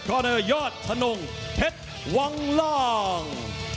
ในยอดธนงเพชรวังล่าง